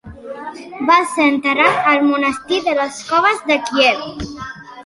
Va ser enterrat al Monestir de les Coves de Kíev.